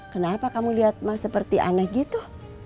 kenapa kamu lihat mah seperti aneh gitu